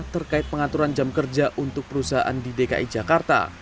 terkait pengaturan jam kerja untuk perusahaan di dki jakarta